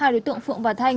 hai đối tượng phượng và thanh